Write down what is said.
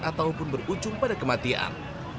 ataupun berujung pada kematian